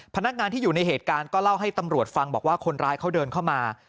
พนักงานที่อยู่ในเหตุการณ์ก็เล่าให้ตำรวจฟังบอกว่าคนร้ายเขาเดินเข้ามา